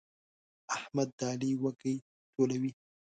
احمد د علي وږي ټولوي.